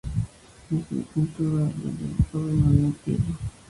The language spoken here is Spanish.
Es una pintura al óleo sobre madera de tilo.